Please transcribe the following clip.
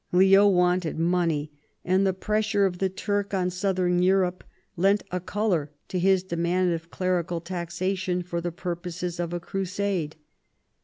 Leo wanted money, and the pressure of the Turk on Southern Europe lent a colour to his demand of clerical taxation for the purposes of a crusade.